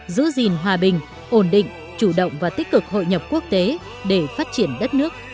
giữ gìn hòa bình ổn định chủ động và tích cực hội nhập quốc tế để phát triển đất nước